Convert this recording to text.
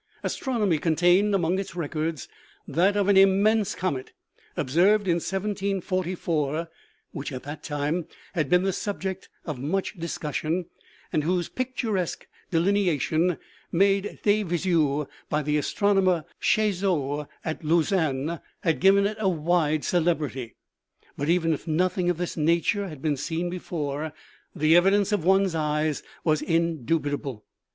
Astron omy contained among its records that of an immense comet observed in 1744, which at that time had been the subject of much discussion, and whose picturesque delin eation, made de visu by the astronomer Chezeaux, at Lausanne, had given it a wide celebrity. But even if nothing of this nature had been seen before, the evidence of one's eyes was indubitable.